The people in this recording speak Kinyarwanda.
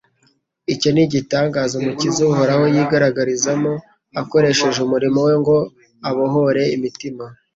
icyo ni igitangaza Umukiza uhoraho yigaragarizamo, akoresheje umurimo we ngo abohore imitima.